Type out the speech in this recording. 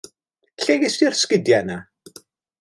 Lle gest ti'r 'sgidia 'na?